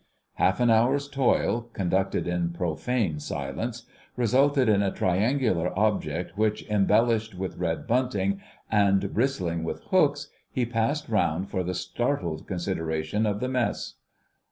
Half an hour's toil, conducted in profane silence, resulted in a triangular object which, embellished with red bunting and bristling with hooks, he passed round for the startled consideration of the Mess.